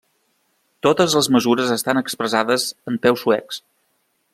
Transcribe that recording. Totes les mesures estan expressades en peus suecs.